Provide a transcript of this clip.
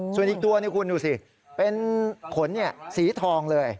ส่วนอีกตัวนี่คุณดูสิเป็นขนสีทองเลย